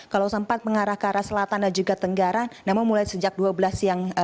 kalau sempat mengarah ke arah selatan dan juga tenggara namun mulai sejak dua belas siang